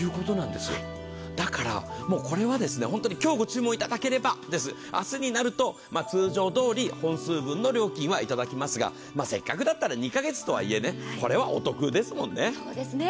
だから、もうこれは今日ご注文いただければ、明日になると通常どおり本数分の料金はいただきますがせっかくだったら、２か月とはいえこれはお得ですもんね。